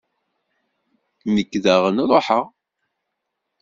Nekk daɣen ṛuḥeɣ.